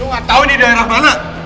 lo nggak tau ini daerah mana